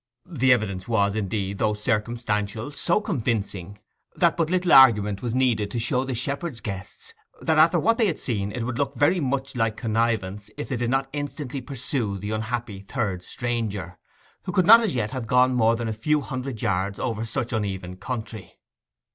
The evidence was, indeed, though circumstantial, so convincing, that but little argument was needed to show the shepherd's guests that after what they had seen it would look very much like connivance if they did not instantly pursue the unhappy third stranger, who could not as yet have gone more than a few hundred yards over such uneven country.